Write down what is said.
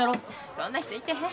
そんな人いてへん。